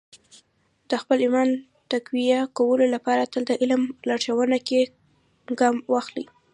د خپل ایمان تقویه کولو لپاره تل د علم په لارښوونو کې ګام واخلئ.